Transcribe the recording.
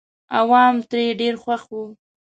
عوام ترې ډېر خوښ وو.